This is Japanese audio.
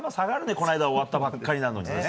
この間、終わったばかりなのに。